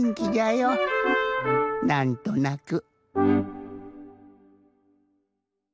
なんとなく。